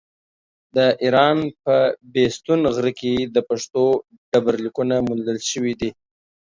د ايران په بېستون غره کې د پښتو ډبرليکونه موندل شوي دي.